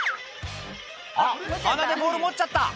あっ、鼻でボール持っちゃった。